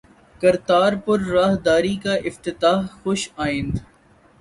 کرتارپور راہداری کا افتتاح خوش آئند